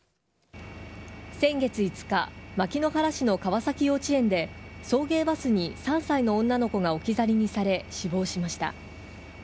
先月５日、牧之原市の川崎幼稚園で送迎バスに３歳の女の子が置き去りにされ、死亡しました。